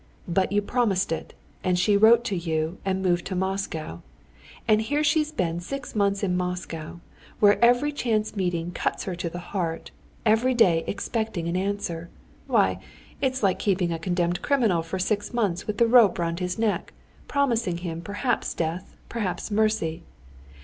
But you promised it, and she wrote to you, and moved to Moscow. And here she's been for six months in Moscow, where every chance meeting cuts her to the heart, every day expecting an answer. Why, it's like keeping a condemned criminal for six months with the rope round his neck, promising him perhaps death, perhaps mercy.